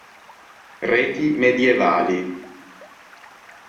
Reti Medievali